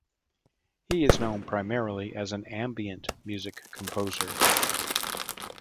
He is known primarily as an ambient music composer.